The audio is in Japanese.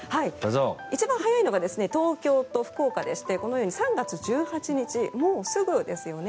一番早いのが東京と福岡でしてこのように３月１８日もうすぐですよね。